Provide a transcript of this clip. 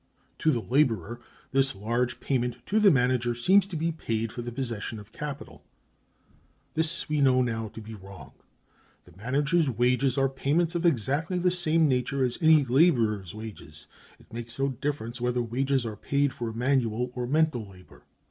To the laborer this large payment to the manager seems to be paid for the possession of capital. This we now know to be wrong. The manager's wages are payments of exactly the same nature as any laborer's wages. It makes no difference whether wages are paid for manual or mental labor.